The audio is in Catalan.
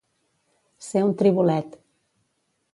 Ser un tribulet.